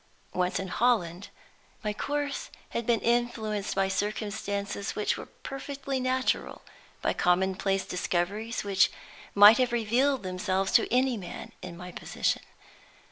Once in Holland, my course had been influenced by circumstances which were perfectly natural, by commonplace discoveries which might have revealed themselves to any man in my position.